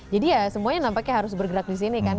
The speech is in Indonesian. jadi ya semuanya nampaknya harus bergerak di sini kan